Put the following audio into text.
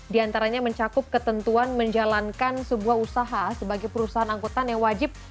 di antaranya mencakup ketentuan menjalankan sebuah usaha sebagai perusahaan angkutan yang wajib